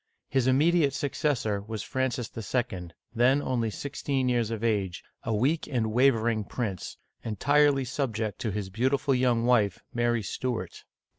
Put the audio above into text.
His im mediate successor was Francis II., then only sixteen years of age, a weak and wavering prince, entirely subject to his beautiful young wife, Mary Stuart.